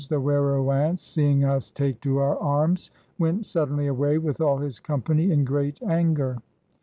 "The Werowance, [seeing] us take to our armes, went suddenly away with all his company in great anger."